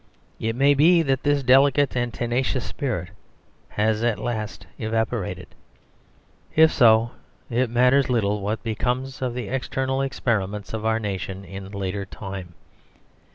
It may be that this delicate and tenacious spirit has at last evaporated. If so, it matters little what becomes of the external experiments of our nation in later time.